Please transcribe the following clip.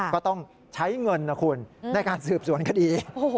ก็ต้องใช้เงินนะคุณในการสืบสวนคดี